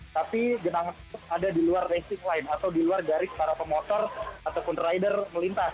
tapi genangan ada di luar racing line atau di luar garis para pemotor ataupun rider melintas